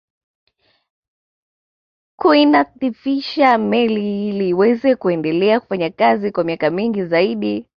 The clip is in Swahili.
Kuinadhifisha meli ili iweze kuendelea kufanya kazi kwa miaka mingi zaidi